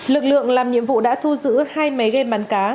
lực lượng làm nhiệm vụ đã thu giữ hai máy game bắn cá